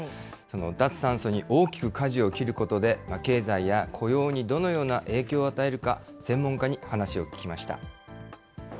脱炭素に大きくかじを切ることで、経済や雇用にどのような影響を与えるか、専門家に話を聞きました。